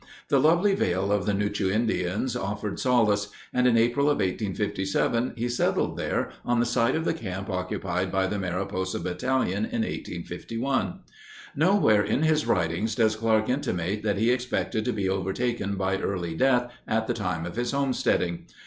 The lovely vale of the Nuchu Indians offered solace, and in April of 1857 he settled there on the site of the camp occupied by the Mariposa Battalion in 1851. Nowhere in his writings does Clark intimate that he expected to be overtaken by early death at the time of his homesteading.